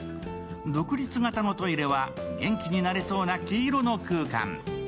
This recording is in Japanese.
独立型のトイレは元気になれそうな黄色の空間。